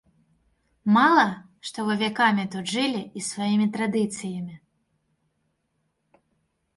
Мала, што вы вякамі тут жылі і сваімі традыцыямі.